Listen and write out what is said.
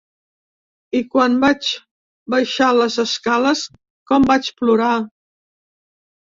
I quan vaig baixar les escales, com vaig plorar!